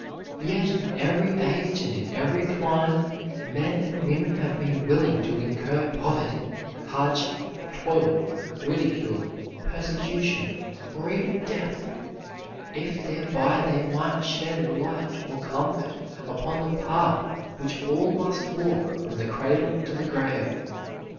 Yet in every age and in every clime men and women have been willing to incur poverty, hardship, toil, ridicule, persecution, or even death, if thereby they might shed light or comfort upon the path which all must walk from the cradle to the grave.